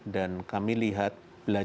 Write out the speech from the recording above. dan kami lihat belajarnya setiap negara